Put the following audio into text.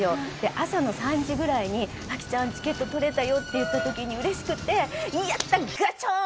朝の３時ぐらいに「アキちゃんチケット取れたよ」って言った時に嬉しくて「やった！ガチョーン」